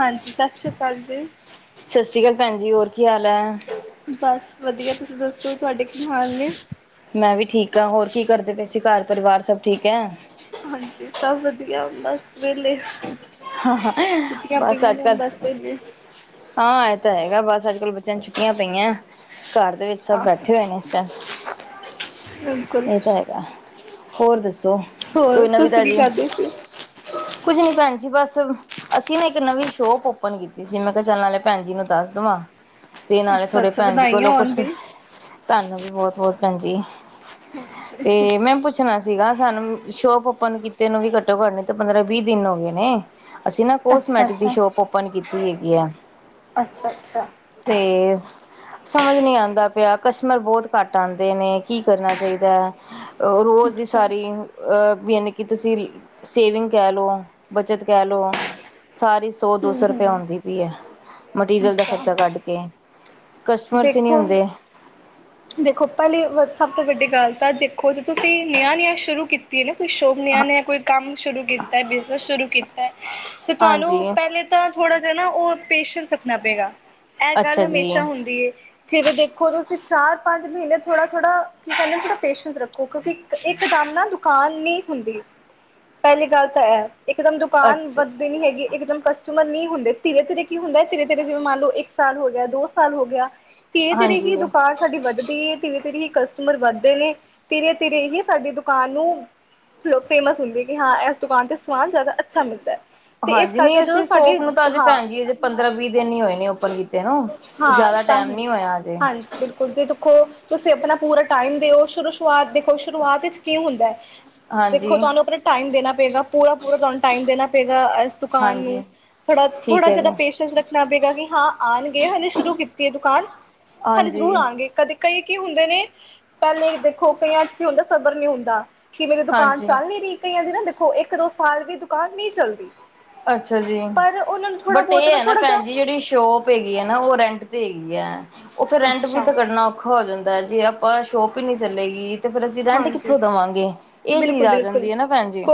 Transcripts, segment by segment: ਹਾਂਜੀ। ਸੱਸਰੀ ਕਾਲ ਜੀ। ਸੱਸਰੀ ਕਾਲ ਭੈਣ ਜੀ। ਹੋਰ ਕੀ ਹਾਲ ਐ? ਬਸ ਵਧੀਆ। ਤੁਸੀਂ ਦੱਸੋ? ਤੁਹਾਡੇ ਕੀ ਹਾਲ ਨੇ? ਮੈਂ ਵੀ ਠੀਕ ਆ। ਹੋਰ ਕੀ ਕਰਦੇ ਪਏ ਸੀ? ਘਰ- ਪਰਿਵਾਰ ਸਭ ਠੀਕ ਐ। ਹਾਂਜੀ ਸਭ ਵਧੀਆ। ਬੱਸ ਵੇਲੇ। ਹਾਂਅਹਾ। ਬਸ ਅੱਜ ਕੱਲ ਵਿਹਲੇ ਹਾਂ। ਐਹ ਤਾਂ ਹੈਗਾ। ਬਸ ਅੱਜਕਲ ਬੱਚਿਆਂ ਨੂੰ ਛੁੱਟੀਆਂ ਪਈਆਂ। ਘਰ ਦੇ ਵਿੱਚ ਸਭ ਆਹੋ ਬੈਠੇ ਹੋਏ ਨੇ। ਤਾਂ। [unintelligible] ਬਿਲਕੁਲ ਇਹ ਤਾਂ ਹੈਗਾ। ਹੋਰ ਦੱਸੋ ਕੋਈ ਹੋਰ ਨਵੀਂ ਤੁਸੀਂ ਕੀ ਤਾਜ਼ੀ? ਕਰਦੇ ਸੀ ਕੁੱਝ ਨੀ ਭੈਣ ਜੀ। ਬੱਸ ਅਸੀਂ ਨਾ ਇੱਕ ਨਵੀਂ ਸ਼ੋਪ ਔਪਨ ਕੀਤੀ ਸੀ। ਮੈਂ ਕਿਹਾ ਚੱਲ ਨਾਲੇ ਭੈਣ ਜੀ ਨੂੰ ਦੱਸ ਦੇਵਾਂ। ਤੇ ਨਾਲੇ ਅੱਛਾ ਥੋੜੇ ਅੱਛਾ ਭੈਣ ਜੀ ਵਧਾਈਆਂ ਕੋਲੋਂ ਹੋਣ ਕੁਛ। ਬਈ ਤੁਹਾਨੂੰ ਵੀ ਬਹੁਤ-ਬਹੁਤ ਭੈਣ ਜੀ। ਹਾਂਜੀ ਤੇ, ਮੈ ਪੁੱਛਣਾ। ਸੀਗਾ। ਸਾਨੂੰ ਸ਼ੋਪ ਔਪਨ ਕੀਤੇ ਨੂੰ ਵੀ ਘੱਟੋ-ਘੱਟ ਨਹੀ ਤਾਂ, ਪੰਦਰਾਂ-ਵੀਹ ਦਿਨ ਹੋ ਗਏ ਨੇ। ਅਸੀਂ ਨਾ ਅੱਛਾ ਕੋਸਮੈਟਿਕ ਦੀ ਅੱਛਾ ਸ਼ੋਪ ਔਪਨ ਕੀਤੀ ਹੈਗੀ ਆ। ਅੱਛਾ ਅੱਛਾ ਤੇ ਸਮਝ ਨੀ ਆਂਦਾ ਪਿਆ। ਕਸਟਮਰ ਬਹੁਤ ਘੱਟ ਆਂਦੇ ਨੇ, ਕੀ ਕਰਨਾ ਚਾਹੀ? ਦਾ। ਰੋਜ਼ ਦੀ ਅੱਛਾ ਸਾਰੀ ਅ ਬੀ ਯਾਨੀ ਕੀ ਤੁਸੀਂ ਸੇਵਿੰਗ ਕਹਿ ਲੌ, ਬੱਚਤ ਕਹਿ ਲੌ। ਸਾਰੀ ਹਮ ਸੌ-ਦੋਸੌ ਰੁਪਆ ਹਮ ਆਂਦੀ ਪਈ ਐ। ਮਟੀਰੀਅਲ ਦਾ ਖਰਚਾ ਅੱਛਾ ਕੱਢ ਕੇ। ਕਸਟਮਰਸ ਹੀ ਨੀ ਦੇਖੋ ਹੁੰਦੇ। ਦੇਖੋ! ਪਹਿਲੀ ਵ ਸਭ ਤੋਂ ਵੱਡੀ ਗੱਲ ਤਾਂ ਦੇਖੋ ਜੇ ਤੁਸੀਂ ਨਿਆਂ-ਨਿਆਂ ਸ਼ੁਰੂ ਕੀਤ ਕੀਤੀ ਏ ਨਾ ਕੋਈ ਸ਼ੋਭ ਨਿਆ -ਨਿਆ ਕੋਈ ਕੰਮ ਸ਼ੁਰੂ ਕੀਤਾ। ਬਿਜਨਸ ਸ਼ੁਰੂ ਕੀਤਾ। ਤੇ ਤੁਹਾਨੂੰ ਹਾਂਜੀ। ਪਹਿਲੇ ਤਾਂ ਥੋੜ੍ਹਾ ਜਿਹਾ ਨਾ ਉਹ ਪੇਸ਼ੈਂਸ ਰੱਖਣਾ ਪਏਗਾ। ਇਹ ਗੱਲ ਅੱਛਾ ਜੀ ਹਮੇਸ਼ਾ ਹੁੰਦੀ ਏ। ਜਿਵੇਂ ਦੇਖੋ। ਤੁਸੀਂ ਚਾਰ-ਪੰਜ ਮਹੀਨੇ ਥੋੜਾ-ਥੋੜਾ ਕੀ ਕਰਨਾ ਥੋੜਾ ਪੇਸ਼ੈਂਸ ਰੱਖੋ। ਕੋਉਂਕਿ! ਇੱਕ ਦਮ ਨਾ ਦੁਕਾਨ ਨੀ ਹੁੰਦੀ। ਪਹਿਲੀ ਗੱਲ ਤਾਂ ਐਹ ਇਕ ਦਮ ਦੁਕਾਨ ਅੱਛਾ ਬਦ ਵਿਗ ਨੀ ਹੈਗੀ। ਇੱਕ ਦਮ ਕਸਟਮਰ ਨਹੀਂ ਹੁੰਦੇ। ਧੀਰੇ- ਧੀਰੇ ਕੀ ਹੁੰਦਾ ਏ। ਧੀਰੇ-ਧੀਰੇ ਜਿਵੇਂ ਮੰਨ ਲੌ। ਇੱਕ ਸਾਲ ਹੋ ਗਿਆ, ਦੋ ਸ ਸਾਲ ਹੋ ਗਿਆ। ਧੀਰੇ - ਧੀਰੇ ਕੀ ਏ ਹਾਂਜੀ। ਦੂ ਕਾਂਨ ਸਾਡੀ ਵੱਧਦੀ ਐ। ਧੀਰੇ- ਧੀਰੇ ਹੀ ਕਸਟਮਰ ਵੱਧਦੇ ਨੇ, ਧੀਰੇ-ਧੀਰੇ ਹੀ ਸਾਡੀ ਦੁਕਾਨ ਨੂੰ ਲੋਕ ਫੇਮਸ ਹੁੰਦੀ ਐ। ਕਿ ਹਾਂ ਐਸ ਦੁਕਾਨ ਤੇ ਸਮਾਨ ਜ਼ਿਆਦਾ ਅੱਛਾ ਮਿਲਦਾ ਐ। ਹਾਂਜੀ। ਨਹੀਂ ਅਸੀਂ ਸ਼ੋਪ ਨੂੰ ਤਾਂ ਅਜੇ ਭੈਣ ਜੀ ਅਜੇ ਪੰਦਰਾਂ- ਵੀਹ ਦਿਨ ਨੀ ਹੋਏ ਨੇ ਔਪਨ ਕੀਤੇ ਨਾ। ਹਾਂ ਜ਼ਿਆਦਾ ਤਾਂ ਟਾਈਮ ਹੀ ਨੀ ਹੋਇਆ ਹਜੇ। ਹਾਂਜੀ ਬਿਲਕੁਲ ਭੀ ਦੇਖੋ। ਤੁਸੀਂ ਆਪਣਾ ਪੂਰਾ ਟਾਈਮ ਦਿਓ ਸ਼ੁਰੂ ਸ਼ੁਰੂਆਤ ਦੇਖੋ ਸ਼ੁਰੂਆਤ ਵਿੱਚ ਕੀ ਹੁੰਦਾ। ਹਾਂਜੀ ਦੇਖੋ ਤੁਹਾਨੂੰ ਆਪਣਾ ਟਾਈਮ ਦੇਣਾ ਪਏਗਾ। ਪੂਰਾ ਪੂਰਾ ਤੁਹਾਨੂੰ ਟਾਈਮ ਦੇਣਾ ਪਏਗਾ। ਇਸ ਦੁਕਾਨ ਨੂੰ। ਹਾਂਜੀ ਥੋੜਾ, ਠੀਕ ਥੋੜਾ ਹੈ ਜਿਆਦਾ ਜੀ ਪੇਸ਼ੈਂਸ ਰਖ ਦੇਖਨਾ ਪਏਗਾ ਕਿ ਹਾਂ ਆਨਗੇ, ਹਲੇ ਸ਼ੁਰੂ ਕੀਤੀ ਏ ਦੁਕਾਨ ਹਲੇ ਜ਼ਰੂਰ ਹਾਂਜੀ ਆਨਗੇ ਕਦੇ ਕਈ ਕੀ ਹੁੰਦੇ ਨੇ ਪੈਲੇ ਦੇਖੋ ਕਈਆਂ ਚ ਕੀ ਹੁੰਦਾ ਸਬਰ ਨੀ ਹੁੰਦਾ। ਕਿ ਮੇਰੀ ਦੁਕਾਨ ਹਾਂਜੀ ਚੱਲ ਨੀ ਰੀ, ਕਈਆਂ ਦੀ ਨਾ ਦੇਖੋ ਇੱਕ ਦੋ ਸਾਲ ਵੀ ਦੁਕਾਨ ਨਈ ਚੱਲਦੀ। ਅੱਛਾ ਜੀ। ਪਰ ਉਹਨਾਂ ਨੂੰ ਥੋੜ੍ਹਾ ਬਟ ਬਹੁਤ ਏ ਐ ਨਾ ਥੋੜ੍ਹਾ ਜਿਹਾ ਭੈਣ ਜੀ ਜੇੜੀ ਸ਼ੋਪ ਪ ਹੈਗੀ ਏ ਨਾ ੳ ਰੈਂਟ ਤੇ ਹੈਗੀ ਐ, ੳ ਫੇਰ ਰੈਂਟ ਵੀ ਅੱਛਾ ਕੱਢਣਾ ਔਖਾ ਹੋ ਜਾਂਦਾ ਏ ਜੇ ਅ ਪਾਂ ਸ਼ੋਪ ਈ ਨੀ ਚੱਲੇਗੀ ਤੇ ਫੇਰ ਅਸੀਂ ਰੈਂਟ ਕਿੱਥੋਂ ਹਾਂਜੀ ਦਵਾਂਗੇ, ਏ ਚੀਜ਼ ਆ ਜਾਂਦੀ ਏ ਨਾ ਭੈਣ ਜੀ।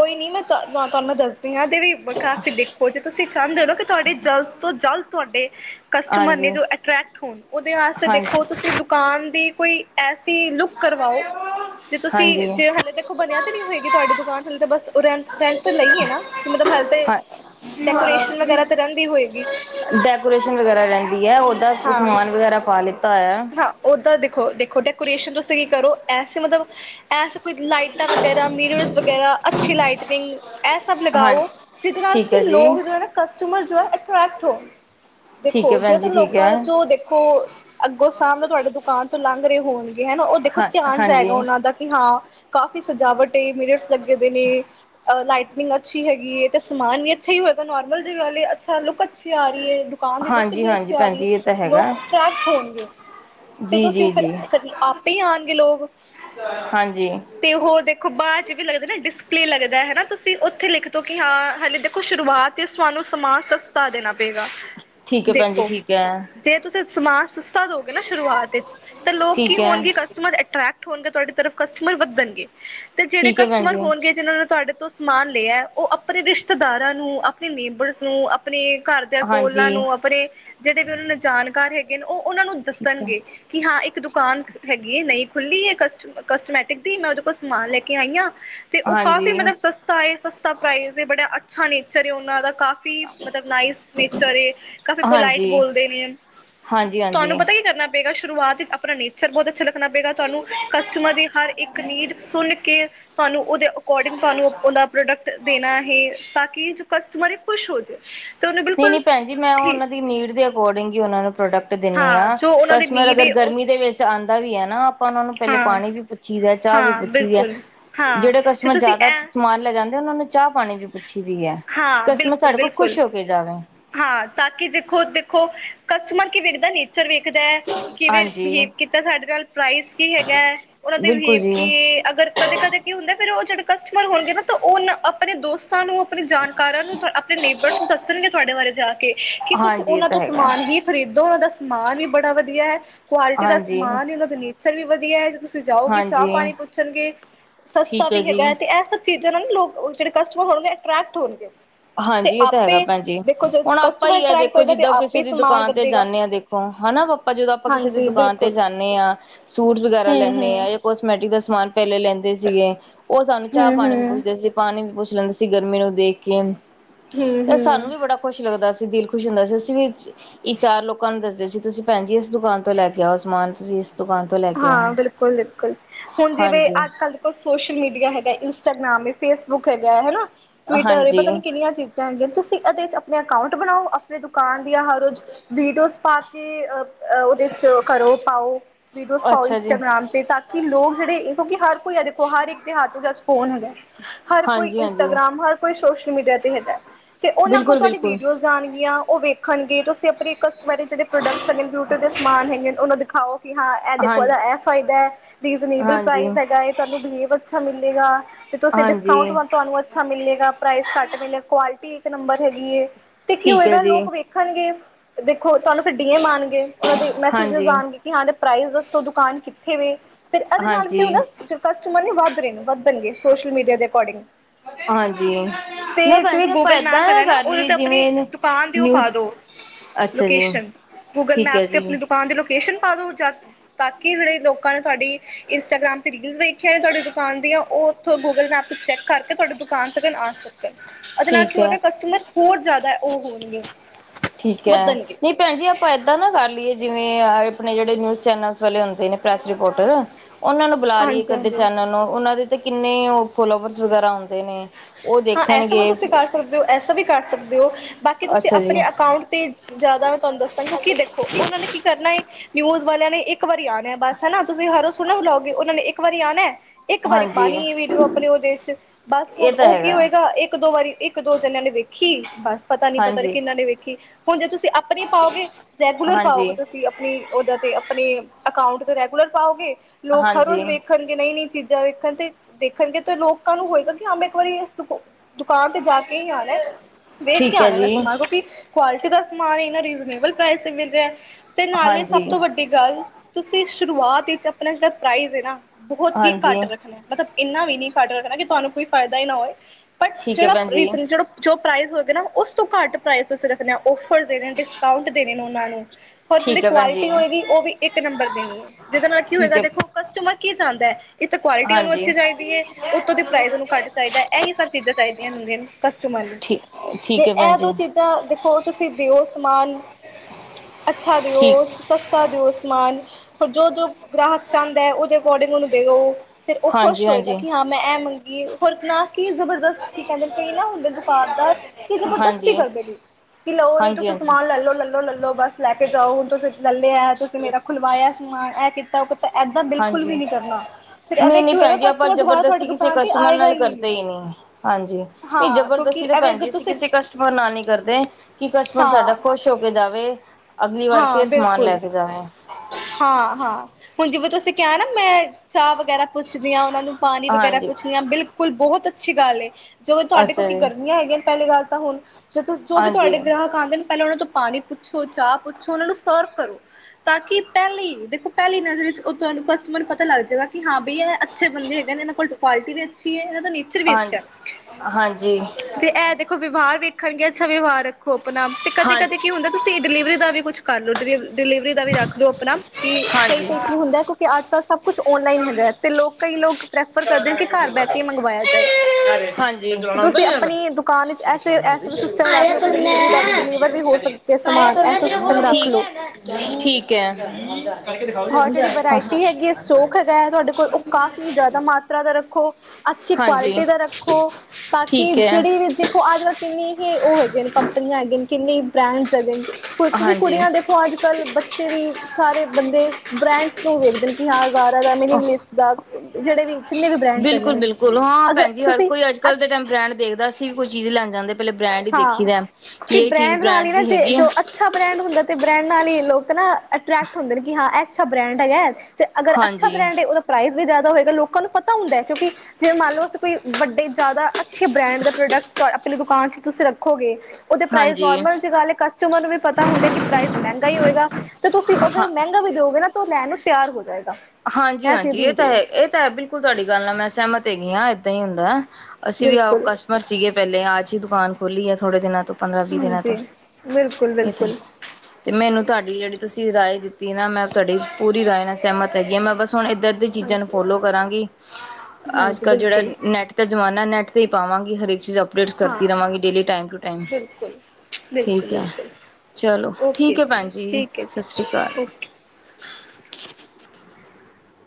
ਤੁ ਤੁਆ ਤੁਆਨੂੰ ਮੈਂ ਦੱਸਦੀ ਆਂ ਤੇ ਵੀ ਕਾਫ਼ੀ ਦੇਖੋ ਜੇ ਤੁਸੀਂ ਚਾਂਦੇ ਹੋ ਕਿ ਤੁਹਾਡੀ ਜਲਦ ਤੋਂ ਜਲਦ ਤੁਹਾਡੇ ਕਸਟਮਰ ਨੇ ਹਾਂਜੀ ਜੋ ਅਟਰੈਕਟ ਹੋਨ ਉਦੇ ਵਾਸਤੇ ਹਾਂਜੀ ਦੇਖੋ ਤੁਸੀਂ ਦੁਕਾਨ ਦੀ ਕੋਈ ਐਸੀ ਲੁੱਕ ਕਰਵਾਓ ਜੇ ਤੁਸੀਂ ਹਾਂਜੀ ਜੇ ਹਲੇੇ ਦੇਖੋ ਬਨਿਆ ਤੇ ਨਈ ਹੋਏਗੀ ਤੁਹਾਡੀ ਦੁਕਾਨ ਹਾਲੇ ਤਾਂ ਬਸ ੳ ਰੈਂਟ-ਰੈਂਟ ਤੇ ਲਈ ਏ ਨਾ? ਕਿ ਮਤਲਬ ਹਲ ਤੇ ਹਾਂ ਡੈਕੋਰੇਸ਼ਨ ਵਗੈਰਾ ਤੇ ਰੈਂਦੀ ਹੋਏਗੀ। ਡੈਕੋਰੇਸ਼ਨ ਵਗੈਰਾ ਰੈਂਦੀ ਏ, ਉਦਾ ਹਾਂ ਸਮਾਨ ਵਗੈਰਾ ਪਾ ਲਿੱਤਾ ਹੋਐ। ਹਾਂ ਉਦਾ ਦੇਖੋ-ਦੇਖੋ ਡੈਕੋਰੇਸ਼ਨ ਤੁਸੀਂ ਕੀ ਕਰੋ ਐਸੇ ਮਤਲਬ ਐਸ ਕੁਝ ਲਾਈਟਾਂ ਵਗੈਰਾ ਮੀਰਰਸ ਵਗੈਰਾ, ਅੱਛੀ ਲਾਈਟਨਿੰਗ ਐ ਸਭ ਹਾਂਜੀ ਲਗਾਓ ਜਿਦੇ ਨਾਲ ਠੀਕ ਕਿ ਹੈ ਜੀ ਲੋਗ ਜੋ ਏ ਨਾ ਕਸਟਮਰ ਜੋ ਏ ਅਟਰੈਕਟ ਹੋ। ਠੀਕ ਹੈ ਦੇਖੋ ਭੈਣ ਜੇ ਤਾਂ ਜੀ ਠੀਕ ਲੋਕਾਂ ਹੈ ਦਾ ਜੋ ਦੇਖੋ ਅਗੋਂ ਸਾਮਨੇ ਤੁਹਾਡੇ ਦੁਕਾਨ ਤੋਂ ਲੰਘ ਰਹੇ ਹੋਣਗੇ ਹੈਨਾ, ੳ ਦੇਖੋ ਹਾਂ ਧਿਆਨ ਹਾਂਜੀ ਜਾਏਗਾ ਉਨਾਂ ਦਾ ਕਿ ਹਾਂ ਕਾਫੀ ਸਜਾਵਟ ਏ ਮਿਰਰਸ ਲੱਗੇ ਦੇ ਨੇ ਅ ਲਾਈਟਨਿੰਗ ਅ ਛੀ ਹੈਗੀ ਏ, ਤੇ ਸਮਾਨ ਵੀ ਅੱਛਾ ਈ ਹੋਏਗਾ ਨੋਰਮਲ ਜੀ ਗਲ ਏ। ਅੱ ਲੁਕ ਅੱਛੀ ਆ ਰਈ ਏ, ਦੁਕਾਨ ਦੀ ਲੁੱਕ ਹਾਂਜੀ ਕਿੰਨੀ ਹਾਂਜੀ ਅੱਛੀ ਆ ਭੈਣ ਰਈ ਏ। ਜੀ ਇਹ ਤਾਂ ਹੈਗਾ ਲੋਕ ਅਟਰੈਕਟ ਹੋਨਗੇ ਤੇ ਜੀ ਤੁਸੀਂ ਜੀ ਜੀ ਫੇਰ-ਫੇਰ ਆਪੇ ਹੀ ਆਨਗੇ ਲੋਗ ਹਾਂਜੀ ਤੇ ੳ ਦੇਖੋ ਬਾਦ ਚ ਵੀ ਲੱਗਦੈ ਨਾ ਡਿਸਪਲੇ ਲੱਗਦਾ ਏ ਨਾ ਤੁਸੀਂ ਉੱਥੇ ਲਿਖ ਦੋ ਕਿ ਹਾਂ ਹਾਲੇ ਦੇਖੋ ਸ਼ੁਰੂਆਤ ਤੇ ਸਾਨੂੰ ਸਮਾਨ ਸਸਤਾ ਦੇਨਾ ਪਏਗਾ। ਠੀਕ ਏ ਭੈਣ ਜੀ ਦੇਖੋ ਠੀਕ ਏ। ਜੇ ਤੁਸੀਂ ਸਮਾਨ ਸਸਤਾ ਦੋਗੇ ਨਾ ਸ਼ੁਰੂਆਤ ਇਚ, ਤਾਂ ਲੋਕ ਕੀ ਠੀਕ ਹੈ ਹੋਨਗੇ ਕਸਮਰ ਅਟਰੈਕਟ ਹੋਗੇ ਤੁਹਾਡੀ ਤਰਫ ਕਸਟਮਰ ਵੱਧਨਗੇ, ਤੇ ਜੇੜੇ ਠੀਕ ਹੈ ਭੈਣ ਕਸਟਮਰ ਜੀ ਹੋਨਗੇ ਜਿਨ੍ਹਾਂ ਨੇ ਤੁਹਾਡੇ ਤੋਂ ਸਮਾਨ ਲਿਆ ੳ ਆਪਨੇ ਰਿਸ਼ਤੇਦਾਰਾਂ ਨੂੰ ਆਪਨੇ ਨੇਬਰਸ ਨੂੰ ਅਪ ਪਨੇ ਘਾਰਦਿਆਂ ਹਾਂਜੀ ਕੋਲਾਂ ਨੂੰ ਆਪਨੇ ਜੇੜੇ ਵੀ ਉਨਾਂ ਨੂੰ ਜਾਨਕਾਰ ਏ ੳ ਉਨਾਂ ਨੂੰ ਠੀਕ ਹੈ ਦੱਸਨਗੇ ਕਿ ਹਾਂ ਏਕ ਦੁਕਾਨ ਹੈਗੀ ਏ ਨਈ ਖੁੱਲੀ ਏ ਕਸਟ ਕਸਟਮੈਟਿਕ ਦੀ ਮੈਂ ਉਦੇ ਕੋਲ ਸਮਾਨ ਲੈ ਕੇ ਆਈਆਂ ਤੇ ੳ ਹਾਂਜੀ ਕਾਫੀ ਮਤਲਬ ਸਸਤਾ ਏ, ਸਸਤਾ ਪ੍ਰਾਈਜ਼ ਏ ਬੜਾ ਅ ਅੱਛਾ ਨੇਚਰ ਉਨਾਂ ਦਾ ਕਾਫੀ ਮਤਲਬ ਨਾਈਸ ਨੇਚਰ ਏ, ਕਾਫੀ ਹਾਂਜੀ ਪੋਲਾਈਟ ਬੋਲਦੇ ਨੇ। ਹਾਂਜੀ ਤੁਹਾਨੂੰ ਹਾਂਜੀ ਪਤਾ ਕੀ ਕਰਨਾ ਪਏਗਾ ਸ਼ੁਰੂਆਤ ਵਿੱਚ ਆਪਣਾ ਨੇਚਰ ਬਹੁਤ ਅੱਛਾ ਰੱਖਣਾ ਪਏਗਾ ਤੁਹਾਨੂੰ ਕਸਟਮਰ ਦੀ ਹਰ ਏਕ ਕ ਨੀਡ ਸੁਨ ਕੇ ਤੁਹਾਨੂੰ ਉਦੇ ਅਕੋਡਿੰਗ ਤੁਆਨੂੰ ਉਦਾ ਪ੍ਰੋਡਕਟ ਦੇਣਾ ਹੀ, ਤਾਂ ਕਿ ਜੋ ਕਸਟਮਰ ਏ ਖੁਸ਼ ਹੋ ਜੇ। ਨਈ-ਨਈ ਭੈਣ ਜੀ ਮੈਂ ਉਨਾਂ ਦੀ ਨੀਡ ਦੇ ਅਕੋਰਡਿੰਗ ਈ ਉਨਾਂ ਨੂੰ ਪ੍ਰੋਡਕਟ ਦਿੰਨੀ ਹਾਂ ਆਂ, ਜੋ ਉਹਨਾਂ ਦੀ ਕਸਟਮਰ ਨੀਡ ਅਗਰ ਏ ਉਹ ਗਰਮੀ ਦੇ ਵਿੱਚ ਆਂਦਾ ਵੀ ਏ ਨਾ ਤਾਂ ਉਨਾਂ ਨੂੰ ਪੈਲੇ ਹਾਂ ਪਾਨੀ ਵੀ ਪੁੱਛੀ ਦਾ ਚਾ ਵੀ ਹਾਂ ਪੁੱਛੀ ਵੇ। ਬਿਲਕੁਲ ਹਾਂ ਜੇੜੇ ਤੇ ਕਸਟਮਰ ਤੁਸੀਂ ਜ਼ਾਦਾ ਐ ਸਮਾਨ ਲੈ ਜਾਂਦੇ ਆ ਉਨਾਂ ਨੂੰ ਚਾ ਪਾਣੀ ਵੀ ਪੁੱਛੀ ਦੀ ਐ, ਹਾਂ ਕਸਟਮਰ ਬਿਲਕੁਲ ਸਾਡੇ ਕੋਲ ਬਿਲਕੁਲ ਖੁਸ਼ ਹੋ ਕੇ ਜਾਵੇ। ਹਾਂ ਤਾਂ ਕਿ ਦੇਖੋ-ਦੇਖੋ ਕਸਟਮਰ ਕੀ ਵੇਖਦਾ ਨੇਚਰ ਵੇਖਦਾ ਐ। ਕਿ ਕਿਵੇਂ ਹਾਂਜੀ ਬਿਹੇਵ ਕੀਤਾ ਸਾਡੇ ਨਾਲ ਪ੍ਰਾਈਜ਼ ਕੀ ਹੈਗਾ, ਉਨਾਂ ਦੇ ਬਿਲਕੁਲ ਬਿਹੇਵ ਜੀ। ਕੀ ਏ ਅਗਰ ਕਦੇ-ਕਦੇ ਕੀ ਹੁੰਦਾ ਫੇਰ ੳ ਜੇੜੇ ਕਸਟਮਰ ਹੋਨਗੇ ਨਾ ਤਾਂ ੳ ਆਪਨੇ ਦੋਸਤ ਲੋਕਾ ਨੂੰ ਆਪਣੇ ਜਾਣਕਾਰਾਂ ਨੂੰ, ਆਪਣੇ ਨੇਬਰਸ ਨੂੰ ਦੱਸਣਗੇ ਤੁਹਾਡੇ ਬਾਰੇ ਜਾ ਕੇ ਕਿ ਤੁਸੀਂ ਹਾਂਜੀ ਇਹ ਉਨਾਂ ਤਾਂ ਤੋਂ ਹੈਗਾ ਸਮਾਨ ਵੀ ਖ਼ਰੀਦੋ ਉਨਾਂ ਦਾ ਸਮਾਨ ਵੀ ਬੜਾ ਵਧੀਆ ਐ, ਕੁਆਲਿਟੀ ਦਾ ਸਮਾਨ ਏ ਹਾਂਜੀ-ਹਾਂਜੀ ਉਨਾਂ ਤੇ ਵੀ ਵਧੀਆ ਐ ਜੇ ਤੁਸੀ ਜਾਓਗੇ ਚਾ ਪਾਨੀ ਪੁੱਛਨਗੇ ਸਸਤਾ ਠੀਕ ਵੀ ਹੈ ਹੈਗਾ ਜੀ। ਐ ਤੇ ਐ ਸਬ ਚੀਜਾ ਨਾਲ ਲੋਗ ਕਟਮਰ ਹੋਂਗੇ ਅੱਟ੍ਰੈਕਟ ਹੋਨਗੇ। ਹਾਂਜੀ ਐ ਤਾਂ ਹੈਗਾ ਭੈਨ ਜੀ ਹੁਨ ਆਪਾਂ ਕਸਟਮਰ ਈ ਐ ਅਟਰੈਕਟ ਦੇਖੋ ਹੋਏਗਾ ਤੇ ਜਿੱਦਾਂ ਕਿਸੇ ਆਪੇ ਦੀ ਸਮਾਨ ਦੁਕਾਨ ਤੇ ਵਧੇਗਾ। ਜਾਨੇ ਆ ਦੇਖ ਹਨਾ ਅੱਪਾ ਜਦੋ ਅੱਪਾ ਕਿਸੇ ਦੀ ਹਾਂਜੀ ਦੁਕਾਨ ਤੇ ਬਿਲਕੁਲ। ਜਾਨੇ ਆ ਸੂਟ ਵਗੈਰਾ ਲੈਨੇ ਆ ਹੂੰ-ਹੂੰ, ਯਾ ਕੋਸਮੈਟਿਕ ਦਾ ਸਮਾਨ ਪੇਲੇ ਲੈਂਦੇ ਸੀਗੇ ਓ ਸਾਨੂੰ ਚਾ ਪਾਣੀ ਵੀ ਹੂੰ-ਹੂੰ, ਪੁੱਛਦੇ ਸੀ ਪਾਨੀ ਵੀ ਪੁੱਛ ਲੈਂਦੇ ਸੀ ਗਰਮੀ ਨੂੰ ਦੇਖ ਕੇ। ਤੇ ਸਾਨੂੰ ਹੂੰ-ਹੂੰ। ਵੀ ਬੜਾ ਖੁਸ਼ ਲੱਗਦਾ ਸੀ ਦਿਲ ਖੁਸ਼ ਹੁੰਦਾ ਸੀ ਅਸੀ ਵੀ ਈ ਚਾਰ ਲੋਕਾ ਨੂੰ ਦੱਸਦੇ ਸੀ ਤੁਸੀ ਭੈਨ ਜੀ ਇਸ ਦੁਕਾਨ ਤੋ ਲੈ ਕੇ ਆਓ ਸਮਾਨ ਤੁਸੀ ਇਸ ਦੁਕਾਨ ਤੋ। ਹਾਂ ਬਿਲਕੁਲ ਬਿਲਕੁਲ ਹੁਨ ਜਿਵੇ ਹਾਂਜੀ ਅੱਜ ਕੱਲ ਸੋਸ਼ਲ ਮੀਡੀਆ ਹੈਗਾ ਇੰਸਟਾਗ੍ਰਾਮ ਫੇਸਬੁਕ ਹੈਗਾ ਹਨਾ ਟਵੀਟਰ ਏ ਹਾਂਜੀ ਪਤਾ ਨੀ ਕਿੰਨੀਆ ਚੀਜਾ ਤੁਸੀ ਏਹਦੇ ਚ ਅਪਨੇ ਅਕਾਊਂਟ ਬਨਾਓ ਅਪਨੇ ਦੁਕਾਨ ਦੀਆ ਹਰ ਰੋਜ ਵੀਡੀਓਜ਼ ਪਾ ਕੇ ਓਦੇ ਚ ਕਰੋ ਪਾਓ ਵੀਡੀਓਜ਼ ਪਾਓ ਅੱਛਾ ਜੀ। ਇੰਸਟਾਗ੍ਰਾਮ ਤੇ ਤਾ ਕੀ ਲੋਗ ਜੇੜੇ ਏਕੋ ਹਰ ਕੋਈ ਐ ਦੇਖੋ ਹਰ ਇੱਕ ਦੇ ਹੱਥ ਈਚ ਅੱਜ ਫੋਨ ਹੈਗਾ। ਹਰ ਕੋਈ ਹਾਂਜੀ ਹਾਂਜੀ ਇੰਸਟਾਗ੍ਰਾਮ ਹਰ ਕੋਈ ਸੋਸ਼ਲ ਮੀਡੀਆ ਤੇ ਹੈਗਾ ਐ ਤੇ ਓਨਾ ਕੋਲ ਬਿਲਕੁਲ ਤੁਆਡੀ ਬਿਲਕੁਲ ਵੀਡੀਓਜ਼ ਜਾਨਗੀਆ ਓ ਵੇਖਂਗੇ ਤੁਸੀ ਅਪਨੇ ਕਸਟਮੇਟਿਕ ਜੇੜੇ ਪ੍ਰੋਡਕਟਸ ਬਨੇ ਬਿਊਟੀ ਦੇ ਸਮਾਨ ਹੈਗੇ ਨੇ ਓਨਾ ਦਿਖਾਓ ਕੀ ਹਾਂ ਏ ਦੇਖੋ ਏਦਾ ਐ ਫਾਇਦਾ ਐ ਰੀਜ਼ਨੇਬਲ ਹਾਂਜੀ। ਪਾ੍ਈਸ ਹੈਗਾ ਐ ਤਾਨੂੰ ਬਿਹੇਵ ਅੱਛਾ ਮਿਲੇਗਾ। ਤੇ ਤੁਸੀ ਹਾਂਜੀ, ਡਿਸਕਾਉਂਟ ਤਾਨੂੰ ਅੱਛਾ ਮਿਲੇਗਾ ਪ੍ਰਾਈਸ ਘੱਟ ਮਿਲੇ ਕੁਆਲਟੀ ਇੱਕ ਨੰਬਰ ਹੈਗੀ ਏ। ਤੇ ਕੀ ਠੀਕ ਹੈ ਹੋਏਗਾ ਜੀ, ਲੋਕ ਵੇਖਨਗੇ ਦੇਖੋ ਤਾਨੂੰ ਫੇਰ ਡੀ ਐਮ ਆਨਗੇ ਓਨਾ ਦੇ ਮੈਸੇਜਿਸ ਹਾਂਜੀ। ਆਨਗੇ। ਕਿ ਹਾਂ ਪ੍ਰਾਈਸ ਦੱਸੋ ਦੁਕਾਨ ਕਿੱਥੇ ਵੇ ਫੇਰ ਏਦੇ ਨਾਲ ਕੀ ਹੁੰਦਾ ਹਾਂਜੀ, ਐ ਜੌ ਕਸਟਮਰ ਨੇ ਵੱਧ ਰੇ ਨੇ ਵੱਧਨਗੇ ਸੋਸ਼ਲ ਮੀਡੀਆ ਦੇ ਅਕੋਰਡਿੰਗ। ਹਾਂਜੀ ਤੇ ਨਾ ਭੈਨ ਜਿਵੇਂ ਜੀ ਆਪਾਂ ਗੂਗਲ ਏਦਾ ਮੈਪ ਨਾ ਹੈਗਾ ਕਰ ਉਹਦੇ ਲੀਏ ਤੇ ਆਪਣੀ ਜਿਵੇ ਦੁਕਾਨ ਦੀ ਉਹ ਨਿਊ ਪਾ ਦੋ ਅੱਛਾ ਜੀ। ਲੋਕੇਸ਼ਨ ਗੂਗਲ ਠੀਕ ਹੈ ਮੈਪ ਤੇ ਜੀ, ਅਪਨੀ ਦੁਕਾਨ ਦੀ ਲੋਕੇਸ਼ਨ ਪਾ ਦੋ ਜਾਂ ਤਾਕੀ ਜੜੇ ਲੋਕਾਂ ਨੇ ਤੁਆਡੀ ਇੰਸਟਗ੍ਰਾਮ ਤੇ ਰੀਲਸ ਵੇਖਿਆ ਤੁਹਾਡੀ ਦੁਕਾਨ ਦੀਆ ਓ ਓਥੋਂ ਗੂਗਲ ਮੈਪ ਤੋ ਚੈਕ ਕਰਕੇ ਤੁਆਡੀ ਦੁਕਾਨ ਤਕਨ ਆ ਸਕ ਏਦੇ ਨਾਲ ਕੀ ਠੀਕ ਹੈ। ਹੋਏਗਾ ਕਸਟਮਰ ਹੋਰ ਜਾਦਾ ਓ ਹੋਨਗੇ। ਠੀਕ ਐ ਨੀ ਭੈਨ ਜੀ ਆਪਾ ਐਦ ਆ ਨਾ ਕਰ ਲੀਏ ਜਿਵੇ ਅਪਣੇ ਜੇੜੇ ਨਿਊਜ਼ ਚੈਨਲਸ ਵਾਲੇ ਹੁੰਦੇ ਨੇ ਪ੍ਰੈਸ ਰਿਪੋਰਟਰ। ਓਨਾ ਨੂੰ ਬੁਲਾ ਲੀਏ ਇਕ ਹਾਂਜੀ ਅੱਧੇ ਹਾਂਜੀ ਚੈਨਲ ਨੂੰ ਓਨਾ ਦੇ ਤੇ ਕਿੰਨੇ ਓ ਫੋਲੋਵਰਸ ਵਗੈਰਾ ਹੁੰਦੇ ਨੇ। ਉਹ ਹਾਂ ਐਸਾ ਵੀ ਦੇਖਣਗੇ, ਤੁਸੀ ਕਰ ਸਕਦੇ ਓ ਐਸਾ ਵੀ ਕਰ ਸਕਦੇ ਓ ਬਾਕੀ ਤੁਸੀ ਅੱਛਾ ਜੀ, ਅਪਨੇ ਅਕਾਊਂਟ ਤੇ ਜਾਦਾ ਤਾਨੂੰ ਦਸਨ ਕੁੱਕੂ ਦੇਖੋ ਓਨਾ ਨੇ ਕੀ ਕਰਨਾ ਏ ਨਿਊਜ਼ ਵਾਲਿਆ ਨੇ ਇੱਕ ਵਰੀ ਆਨਾ ਬਸ ਹਨਾ ਤੁਸੀ ਹਰ ਰੋਜ਼ ਥੋੜੀ ਨਾ ਬੁਲਾਓਗੇ ਓਨਾ ਨੇ ਇਕ ਵਰੀ ਆਨਾ ਐ। ਇੱਕ ਵਰੀ ਹਾਂਜੀ। ਪਾਨੀ ਏ ਵੀਡੀਓ ਅਪਨੇ ਓਦੇ ਚ ਬਸ। ਇਹ ਹੁਨ ਤਾਂ ਓ ਕੀ ਹੈਗਾ, ਹੋਏਗਾ ਇੱਕ ਦੋ ਵਾਰੀ ਇਕ ਦੋ ਜਨਯਾ ਨੇ ਵੇਖੀ ਬਸ ਪਤਾ ਨੀ ਪਤਾ ਨੀ ਹਾਂਜੀ, ਕਿਨਾ ਨੇ ਵੇਖੀ। ਹੁਨ ਜੇ ਤੁਸੀ ਅਪਨੀ ਪਾਓਗੇ ਰੈਗੂਲਰ ਪਾਓਗੇ ਹਾਂਜੀ, ਤੁਸੀ ਅਪਨੀ। ਓਦੇ ਤੇ ਅਪਨੇ ਅਕਾਊਂਟ ਤੇ ਰੈਗੂਲਰ ਪਾਓਗੇ ਲੋਕ ਹਰ ਰੋਜ ਹਾਂਜੀ। ਵੇਖ ਦੇਖਨਗੇ ਨਈ ਨਈ ਚੀਜਾ ਵੇਖਨ ਤੇ ਦੇਖਨਗੇ ਤੇ ਲੋਕਾ ਨੂੰ ਹੋਏਗਾ ਕਿ ਅ ਮੈਂ ਇੱਕ ਵਰੀ ਦੁਕਾਨ ਤੇ ਜਾ ਕੇ ਈ ਆਣਾ ਐ ਵੇਖ ਕੇ ਠੀਕ ਹੈ ਆਣਾ ਮੈਂ ਜੀ ਸਮਾਨ ਕਉਕਿ ਕੁਆਲਟੀ ਦਾ ਸਮਾਨ ਇਨਾ ਰੀਜ਼ਨੇਬਲ ਪ੍ਰਾਇਸ ਤੇ ਮਿਲ ਰਆ ਤੇ ਨਾਲੇ ਹਾਂਜੀ ਸਭ ਤੋ ਵੱਡ ਗੱਲ ਤੁਸੀਂ ਸ਼ੁਰੂਆਤ ਈਚ ਆਪਣਾ ਜੇੜਾ ਪ੍ਰਾਈਸ ਏ ਨਾ ਬੋਤ ਈ ਹਾਂਜੀ ਘੱਟ ਰੱਖਨਾ ਐ। ਮਤਲਬ ਇੰਨਾ ਵੀ ਨੀ ਕੱਟ ਰੱਖਨਾ ਕਿ ਤਾਨੂੰ ਕੋਈ ਫਾਇਦਾ ਈ ਨਾ ਹੋਏ ਬਟ ਠੀਕ ਹੈ ਜੇਡਾ ਭੈਣ ਜੀ ਰਿਸ ਜੇਡਾ ਜੋ ਪਾ੍ਇਸ ਹੋਗੇ ਨਾ ਉਸ ਤੋ ਘਟ ਪਾ੍ਇਸ ਤੁਸੀ ਰਖਨੇ ਆ ਔਫਰਸ ਦੇਨੇ ਡਿਸਕਾਉਂਟ ਦੇਨੇ ਨੇ ਓਹਨਾ ਨੂੰ। ਪਰ ਜੇੜੀ ਠੀਕ ਹੈ ਭੈਣ ਜੀ ਕੁਆਲਟੀ ਹੋਏਗੀ ਓ ਵੀ ਇੱਕ ਨੰਬਰ ਦੇਨੀ ਐ। ਜਿਦੇ ਨਾਲ ਕੀ ਠੀਕ ਹੋਏਗਾ ਹੈ ਦੇਖੋ ਕਸਟਮਰ ਕੀ ਚਾਂਦਾ ਐ? ਇਕ ਤੇ ਕੁਆਲਟੀ ਓਨੂੰ ਹਾਂਜੀ ਅੱਛੀ ਚਾਈਦੀ ਐ ਉਤੋ ਦੀ ਪ੍ਰਾਈਜ਼ ਓਨੂੰ ਘੱਟ ਚਾਈਦਾ ਏਹੀ ਸਭ ਚੀਜਾ ਚਾਇਦੀਆ ਹੁੰਦਿਆ ਕਸਟਮਰ ਨੂੰ ਠੀ ਤੇ ਠੀਕ ਹੈ ਭੈਣ ਏਹ ਜੀ ਦੋ ਚੀਜਾ ਦੇਖੋ ਤੁਸੀ ਦਿਓ ਸਮਾਨ ਅੱਛਾ ਦਿਓ। ਠੀਕ ਸਸਤਾ ਦਿਓ ਸਮਾਨ ਜੋ ਜੋ ਗ੍ਰਾਹਕ ਚਾਂਦਾ ਐ ਓਦੇ ਅਕੋਰਡਿੰਗ ਓਨੂੰ ਦਿਓ। ਫੇਰ ਓ ਹਾਂਜੀ ਖੁਸ਼ ਹੋਏਗਾ ਹਾਂਜੀ ਕਿ ਹਾਂ ਮੈਂ ਐ ਮੰ ਕਿ ਹੋਰ ਨਾ ਕੀ ਜ਼ਬਰਦਸਤ ਕੀ ਕੈਂਦੇ ਕਈ ਨਾ ਹੁੰਦੇ ਦੁਕਾਨਦਾਰ। ਕਿ ਜਬਰਦਸਤੀ ਹਾਂਜੀ ਹਾਂਜੀ ਕਰਦੇ ਨੇ ਕਿ ਲਓ ਨਈ ਤੁਸੀ ਹਾਂਜੀ ਸਮਾਨ ਲੈ ਲਓ ਲੈਲੋ ਲੈਲੋ ਬਸ ਲੈ ਕੇ ਜਾਓ ਹੁਨ ਤੁਸੀ। ਲਲੇਆ ਤੁਸੀ ਮੇਰਾ ਖੁਲਵਾਏਆ ਸਮਾਨ ਐ ਕੀਤਾ ਓ ਕੀ ਤੇ ਐਦਾਂ ਬਿਲਕੁਲ ਹਾਂਜੀ ਵੀ ਨੀ ਕਰਨਾ। ਫਿਰ ਐ ਵੇਖੇਆ ਹੋਏਗਾ ਕਸਟਮਰ ਦੁਬਾਰਾ ਤੁਆਡੀ ਦੁਕਾਨ ਤੇ ਤ ਮਨ ਆਏਗਾ ਨਾਲ ਹੀ ਕਰਦੇ ਨਹੀਂ ਈ ਨੀ ਹਾਂਜੀ। ਨੀ ਹਾਂ ਜਬਰਦਸਤੀ ਕਿਉਂਕਿ ਤੇ ਐਵੇਂ ਭੈਣ ਅਗਰ ਜੀ ਅਸੀ ਤੁਸੀਂ ਕਿਸੇ ਕਸਟਮਰ ਨਾਲ ਨੀ ਕਰਦੇ ਕਿ ਕਸਟਮਰ ਸਾਡਾ ਹਾਂ ਖੁਸ਼ ਹੋ ਕੇ ਜਾਵੇ ਅਗਲੀ ਵਾਰ ਹਾਂ ਫੇਰ ਸਮਾਨ ਲੈ ਬਿਲਕੁਲ ਕੇ ਜਾਵੇ। ਹਾਂ ਹਾਂ। ਹੁਨ ਜਿਵੇਂ ਤੁਸੀ ਕੇਆ ਨਾ ਮੈਂ ਚਾ ਵਗੈਰਾ ਪੁੱਛਦੀ ਆਂ ਓਨਾਂ ਨੂੰ ਪਾਣੀ ਵਗੈਰਾ ਹਾਂਜੀ ਪੁੱਛਣੀ ਆਂ ਬਿਲਕੁਲ ਬੋਹਤ ਅੱਛੀ ਗੱਲ ਏ। ਜਵੋ ਤੁਹਾਡੇ ਕੋਲ ਅੱਛਾ ਕਿ ਜੀ ਗਰਮੀਆਂ ਹੈਗੀਆਂ ਨੇ ਪੈਲੀ ਗੱਲ ਤਾਂ ਹੁਨ। ਜਦੋ ਜੋ ਵੀ ਹਾਂਜੀ ਤੁਹਾਡੇ ਗ੍ਰਾਹਕ ਆਂਦੇ ਨੇ ਪੈਲਾਂ ਓਨਾਂ ਤੋਂ ਪਾਣੀ ਪੁੱਛੋ ਚਾ ਪੁੱਛੋ ਓਨਾਂ ਨੂੰ ਸਰਵ ਕਰੋ ਤਾਂ ਕਿ ਪੈਲੀ ਦੇਖੋ ਪੈਲੀ ਨਜ਼ਰ ਚ ਓ ਤਾਨੂੰ ਕਸਟਮਰ ਨੂੰ ਪਤਾ ਲੱਗ ਜੇਗਾ ਕਿ ਹਾਂ ਬਈ ਐ ਅ ਅੱਛੇ ਬੰਦੇ ਹੈਗੇ ਨੇ। ਏਨਾਂ ਕੋਲ ਕੁਆਲਟੀ ਵੀ ਅੱਛੀ ਐ। ਏਨਾਂ ਦਾ ਨੇਚਰ ਵੀ ਅੱਛਾ ਐ। ਹਾਂਜੀ ਹਾਂਜੀ ਤੇ ਐ ਦੇਖੋ ਵੇਵਹਾਰ ਵੇਖਣਗੇ ਅੱਛਾ ਵੇਵਹਾਰ ਰੱਖੋ ਅਪਨਾ ਤੇ ਕਦੇ ਹਾਂ ਕਦੇ ਕੀ ਹੁੰਦਾ ਤੁਸੀ ਤੇ ਡਿਲੀਵਰੀ ਦਾ ਵੀ ਕੁਛ ਕਰ ਲੋ। ਡਿਵ ਡਿਲੀਵਰੀ ਦਾ ਵੀ ਰੱਖ ਦੋ ਅਪਣਾ ਕਿ ਕਈ ਹਾਂਜੀ ਕਈ ਕੀ ਹੁੰਦਾ ਐ ਕਿਉਂਕਿ ਅੱਜ ਕੱਲ ਸਭ ਕੁੱਛ ਔਨਲਾਈਨ ਹੈਗਾ ਐ ਤੇ ਲੋਕ ਕਈ ਲੋਕ ਪ੍ਰੈਫਰ ਕਰਦੇ ਐ ਕਿ ਘਰ ਬੈ ਕੇ ਮੰਗਵਾਏਆ ਜਾਏ। ਤੇ ਤੁਸੀਂ ਆਪਣੀ ਦੁਕਾਨ ਹਾਂਜੀ। ਵਿੱਚ ਐਸੇ ਐਸੇ ਸਿਸਟਮ ਰੱਖ ਲਓ ਕਿ ਡਿਲੀਵਰੀ ਦਾ ਵੀ ਠੀਕ, ਡਿਲੀਵਰ ਵੀ ਹੋ ਸਕੇ ਸਮਾਨ ਐਸਾ ਸਿਸਟਮ ਠੀਕ ਰੱਖ ਲਓ। ਐ। ਹੋਰ ਜੇੜੀ ਵਰਾਇਟੀ ਹੈਗੀ ਐ, ਸਟੋਕ ਹੈਗਾ ਐ ਤੁਹਾਡੇ ਕੋਲ ਓ ਕਾਫ਼ੀ ਜਾਦਾ ਮਾਤ ਤਰਾ ਦਾ ਰੱਖੋ। ਅੱਛੀ ਹਾਂਜੀ ਕੁਆਲਟੀ ਦਾ ਰੱਖੋ ਤਾਂ ਕਿ ਠੀਕ ਹੈ ਜੈੜੀ ਵੀ ਦੇਖੋ ਅੱਜ ਕਿੰਨੀ ਹੀ ਓ ਹੈਗੇ ਨੇ ਕੰਪਨੀਆਂ ਹੈਗੀ ਨ ਕਿੰਨੀ ਬ੍ਰੈਂਡਸ ਹੈਗੇ ਨ ਕੁਰ ਕਿ ਹਾਂਜੀ ਕੁੜੀਆਂ ਦੇਖੋ ਅੱਜ ਕੱਲ ਬੱਚੇ ਵੀ ਸਾਰੇ ਬੰਦੇ ਬ੍ਰੈਂਡਸ ਨੂੰ ਵੇਖਦੇ ਕਿ ਹਾਂ ਜਾ਼ਰਾ ਦਾ ਮਿਨੀ ਅਹ ਮਿਲਿਸਟ ਦਾ ਜੇੜੇ ਵੀ ਜਿੰਨੇ ਵੀ ਬ੍ਰੈਂਡਸ ਹੈਗੇ ਬਿਲਕੁਲ ਨੇ ਬਿਲਕੁਲ। ਹਾਂ ਅਗਰ ਭੈਣਜੀ ਹਰ ਤੁਸੀਂ ਕੋਈ ਅੱਜ-ਕੱਲ੍ਹ ਦੇ ਟੈਮ ਬ੍ਰੈਂਡ ਦੇਖਦਾ। ਅਸੀ ਵੀ ਕੋਈ ਚੀਜ ਲੈਣ ਜਾਂਦੇ ਪੈਲੇ ਬ੍ਰੈਂਡ ਈ ਦੇਖੀ ਹਾਂ ਦਾ ਕਿਉਂਕਿ ਕਿ ਏ ਚੀਜ ਨਾਲ ਹੀ ਬ੍ਰੈਂਡ ਨਾ ਦੀ ਜੇ ਹੈਗੀ ਐ। ਜੋ ਅੱਛਾ ਬ੍ਰੈਂਡ ਹੁੰਦਾ ਤੇ ਬ੍ਰੈਂਡ ਨਾਲ ਈ ਲੋਕ ਨਾ ਅਟਰੈਕਟ ਹੁੰਦੇ ਨੇ ਕਿ ਹਾਂ ਐ ਅੱਛਾ ਬ੍ਰੈਂਡ ਹੈਗਾ ਐ। ਤੇ ਅਗਰ ਅੱਛਾ ਹਾਂਜੀ ਬ੍ਰੈਂਡ ਏ, ਓਦਾ ਪ੍ਰਾਈਜ਼ ਵੀ ਜਾਦਾ ਹੋਏਗਾ ਲੋਕਾਂ ਨੂੰ ਪਤਾ ਹੁੰਦਾ ਐ ਕਿਉਂਕਿ ਜੇ ਮੰਨ ਲਓ ਅਸੀ ਕੋਈ ਵੱਡੇ ਜਾਦਾ ਅੱਛੇ ਬ੍ਰੈਂਡ ਦਾ ਪ੍ਰੋਡਕਟਸ ਅਪਨੀ ਦੁਕਾਨ ਚ ਤੁਸੀ ਰੱਖੋਗੇ, ਓਦੇ ਪ੍ਰਾਈਜ਼ ਹਾਂਜੀ ਨੋਰਮਲ ਜਿ ਗੱਲ ਏ ਕਸਟ ਕਸਟੁਮਰ ਨੂੰ ਵੀ ਪਤਾ ਹੁੰਦਾ ਕਿ ਪ੍ਰਾਈਜ਼ ਮੈਂਗਾ ਈ ਹੋਏਗਾ। ਤੇ ਤੁਸੀ ਅਗਰ ਹਾਂ ਓ ਮੈਂਗਾ ਵੀ ਦੇਓਗੇ ਨਾ ਤਾਂ ਓ ਲੈਨ ਨੂੰ ਤੇਆਰ ਹੋ ਜਾਏਗਾ। ਹਾਂਜੀ ਇਹ ਚੀਜ਼ ਹਾਂਜੀ। ਏ ਤਾਂ ਹੁੰਦੀ ਹੈ। ਏ ਤਾਂ ਹੈ, ਬਿਲਕੁਲ ਤਾਡੀ ਗੱਲ ਨਾਲ ਮੈਂ ਸਹਮਤ ਹੈਗੀ ਆਂ ਏਦਾਂ ਹੀ ਹੁੰਦਾ ਐ। ਅਸੀ ਵੀ ਆਓ ਬਿਲਕੁਲ ਕਸਟਮਰ ਸੀਗੇ ਪੈਲੇ। ਅੱਜ ਈ ਦੁਕਾਨ ਖੋਲੀ ਐ ਥੋੜੇ ਦਿਨਾਂ ਤੋਂ ਪੰਦਰਾਂ ਵੀ ਦਿਨਾਂ ਹਾਂਜੀ ਤੋਂ। ਬਿਲਕੁਲ ਏ ਤੇ ਹੈ। ਬਿਲਕੁਲ ਤੇ ਮੈਨੂੰ ਤਾਡੀ ਜੇੜੀ ਤੁਸੀ ਰਾਏ ਦਿੱਤੀ ਨਾ ਮੈਂ ਤਾਡੀ ਪੂਰੀ ਰਾਏ ਨਾਲ ਸਹਮਤ ਹੈਗੀ ਆ। ਮੈਂ ਬਸ ਹੁਣ ਏਦਾਂ ਦੀ ਚੀਜਾਂ ਨੂੰ ਹਾਂਜੀ ਫੋਲੋ ਕਰਾਂਗੀ। ਹਾਂਜੀ ਅੱਜ-ਕਲ ਜੇੜਾ ਬਿਲਕੁਲ ਨੈਟ ਦਾ ਜਮਾਨਾ ਨੈਟ ਤੇ ਈ ਪਾਵਾਂਗੀ ਹਰੇਕ ਚੀਜ ਅਪ ਪਡੇਟਸ ਕਰਤੀ ਹਾਂ ਰਵਾਂਗੀ ਡੇਲੀ ਟਾਈਮ ਟੂ ਟਾਈਮ ਬਿਲਕੁਲ ਬਿਲਕੁਲ ਠੀਕ ਐ। ਬਿਲਕੁਲ ਚਲੋ। ਓਕੇ ਠੀਕ ਐ ਭੈਣ ਜੀ ਠੀਕ ਹੈ ਸਤਿ ਸ੍ਰੀ ਜੀ ਅਕਾਲ। ਓਕੇ